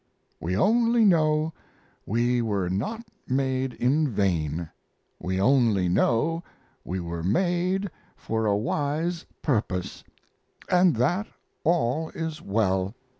We only know we were not made in vain, we only know we were made for a wise purpose, and that all is well!